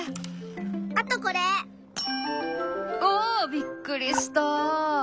びっくりした。